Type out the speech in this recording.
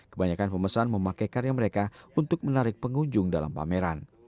kebanyakan pemesan memakai karya mereka untuk menarik pengunjung dalam pameran